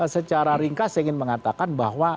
secara ringkas saya ingin mengatakan bahwa